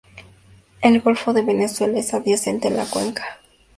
El golfo de Venezuela es adyacente a la cuenca hidrográfica de Maracaibo.